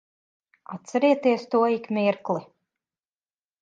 Atcerieties to ik mirkli.